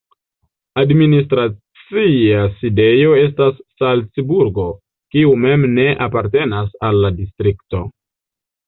Administracia sidejo estas Salcburgo, kiu mem ne apartenas al la distrikto.